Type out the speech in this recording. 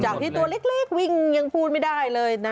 ที่ตัวเล็กวิ่งยังพูดไม่ได้เลยนะ